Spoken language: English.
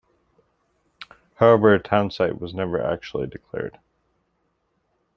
However, a townsite was never actually declared.